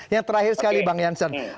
yang terakhir sekali bang jansen